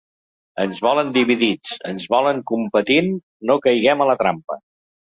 Ens volen dividits, ens volen competint, no caiguem a la trampa.